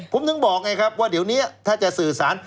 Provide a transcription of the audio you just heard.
ผมถึงบอกไงครับว่าเดี๋ยวนี้ถ้าจะสื่อสาร